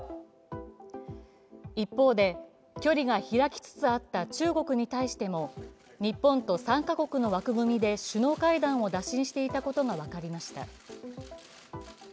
一方で、距離が開きつつあった中国に対しても日本と３か国の枠組みで首脳会談を打診していたことが分かりました。